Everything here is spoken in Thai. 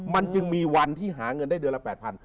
มันจึงมีวันที่หาเงินได้เดือนละ๘๐๐